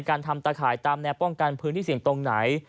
การทำตะข่ายตามแนวป้องกันพื้นที่เสี่ยงตรงไหน